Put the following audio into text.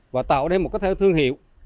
và tạo đến một cơ thể thương hiệu